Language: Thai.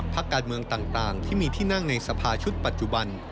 พักการเมืองต่างที่มีที่นั่งในสภาชุดปัจจุบัน